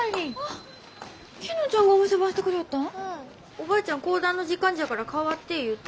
おばあちゃん講談の時間じゃから代わって言うて。